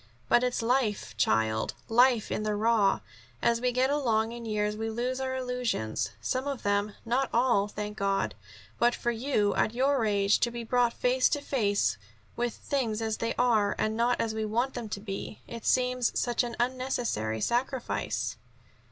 But it's life, child life in the raw. As we get along in years we lose our illusions some of them, not all, thank God. But for you, at your age, to be brought face to face with things as they are, and not as we want them to be it seems such an unnecessary sacrifice."